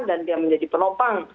dan dia menjadi penopang